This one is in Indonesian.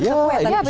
ada pisau kue tadi